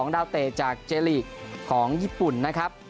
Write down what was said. ดาวเตะจากเจลีกของญี่ปุ่นนะครับ